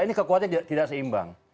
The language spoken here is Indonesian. ini kekuatannya tidak seimbang